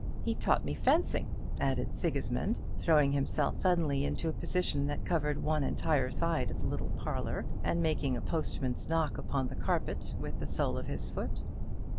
He taught me fencing," added Sigismund, throwing himself suddenly into a position that covered one entire side of the little parlour, and making a postman's knock upon the carpet with the sole of his foot.